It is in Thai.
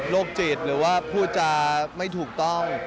โรคจิตหรือว่าผู้จารย์ไม่ถูกต้อง